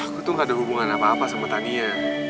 aku tuh gak ada hubungan apa apa sama tania